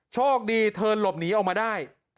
โชคดีเธอหลบหนีออกมาได้